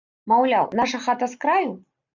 Маўляў, наша хата з краю?